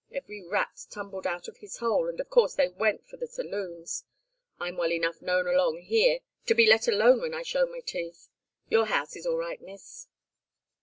Every rat tumbled out of his hole, and of course they went for the saloons. I'm well enough known along here to be let alone when I show my teeth. Your house is all right, miss."